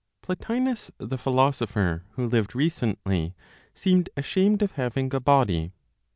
Plotinos the philosopher, who lived recently, seemed ashamed of having a body.